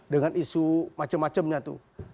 dengan isu macem macemnya tuh